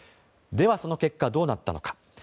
では、その結果どうなったのか。